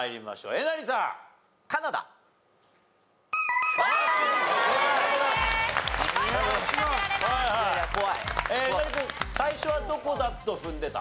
えなり君最初はどこだとふんでた？